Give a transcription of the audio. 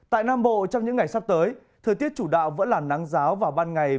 tại nam bộ trong những ngày sắp tới thời tiết chủ đạo vẫn là nắng giáo vào ban ngày